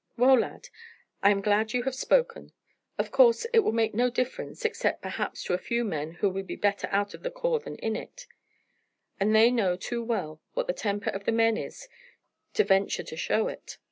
"Well, lad, I am glad you have spoken. Of course it will make no difference, except perhaps to a few men who would be better out of the corps than in it; and they know too well what the temper of the men is to venture to show it.